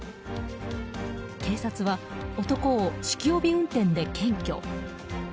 警察は、男を酒気帯び運転で検挙。